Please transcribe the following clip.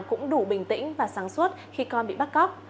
cũng đủ bình tĩnh và sáng suốt khi con bị bắt cóc